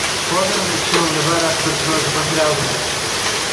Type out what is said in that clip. Pode a relixión levar ás persoas a facer algo máis?